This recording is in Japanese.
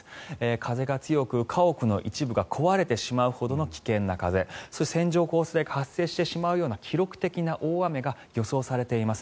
風が強く家屋の一部が壊れてしまうほどの危険な風線状降水帯が発生してしまうような記録的な大雨が予想されています。